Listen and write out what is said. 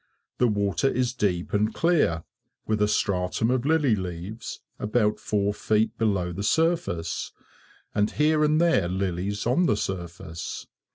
The water is deep and clear, with a stratum of lily leaves, about four feet below the surface, and here and there lilies on the surface.